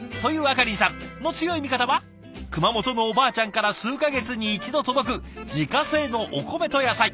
かりんさんの強い味方は熊本のおばあちゃんから数か月に一度届く自家製のお米と野菜。